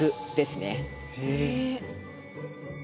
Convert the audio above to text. へえ！